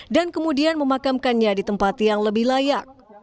dan kemudian memakamkannya di tempat yang lebih layak